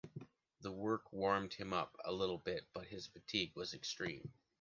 The work warmed him up a little bit, but his fatigue was extreme.